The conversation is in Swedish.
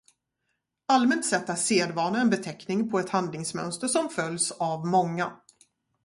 Allmänt sett är sedvana en beteckning på ett handlingsmönster som följs av många.